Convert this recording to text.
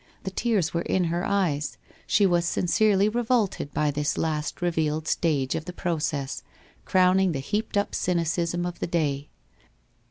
The tears were in her e}'es; she was sincerely revolted by this last revealed stage of the process, crowning the heaped up cynicism of the day.